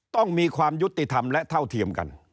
ต้องมีความยุติธรรมและเท่าเทียมกัน